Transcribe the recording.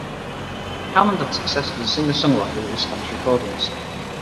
Hammond had success as a singer-songwriter with his Spanish recordings.